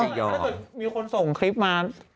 ไอ้จะยอมถ้าเกิดมีคนส่งคลิปมา